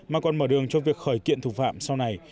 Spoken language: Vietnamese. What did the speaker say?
mà còn mở đường cho việc khởi kiện thủ phạm sau này